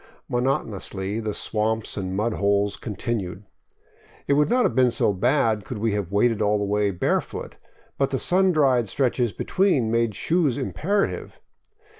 Monotonously the swamps and mud holes continued. It would not have been so bad could we have waded all the way barefoot ; but the sun dried stretches between made shoes imperative.